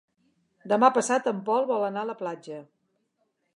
Demà passat en Pol vol anar a la platja.